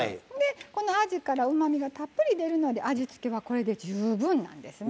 このあじからうまみがたっぷり出るので味付けはこれで十分なんですね。